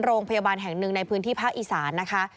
โรงพยาบาลแห่งหนึ่งในพื้นที่ภาคอีสานนะคะ